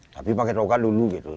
tapi pakai tongkat dulu